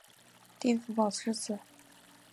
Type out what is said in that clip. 丁福保之子。